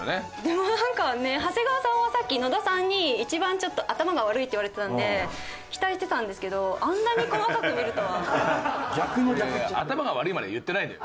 でもなんかね長谷川さんはさっき野田さんに一番頭が悪いって言われてたんで期待してたんですけどあんなに細かく見るとは。